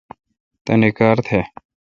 تانی کار تھ۔